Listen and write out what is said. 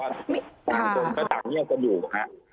เพราะว่าค่ะต่างคนก็ต่างเงียบกันอยู่ครับ